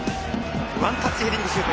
ワンタッチヘディングシュート。